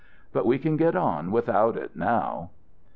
But we can get on without it now."